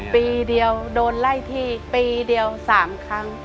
ปีเดียวโดนไล่ที่ปีเดียว๓ครั้ง